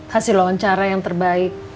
hasil wawancara yang terbaik